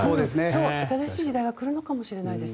新しい時代が来るかもしれない。